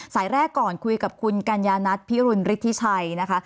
สายแรกก่อนคุยกับคุณกัญญานัทพิรุณฤทธิชัยนะคะ